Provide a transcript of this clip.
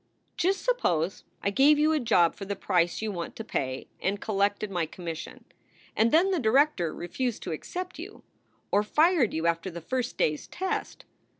"Just suppose I gave you a job for the price you want to pay and collected my commission, and then the director refused to accept you, or fired you after the first day s test.